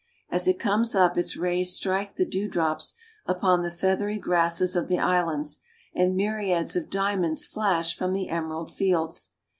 As it comes up its rays strike the dewdrops upon the feathery grasses of the islands, and myriads of diamonds flash from the emerald fields.